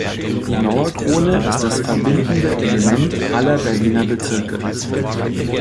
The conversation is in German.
Die Mauerkrone ist das verbindende Element aller Berliner Bezirke.